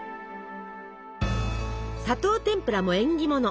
砂糖てんぷらも縁起物。